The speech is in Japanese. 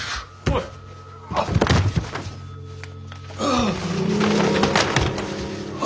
ああ。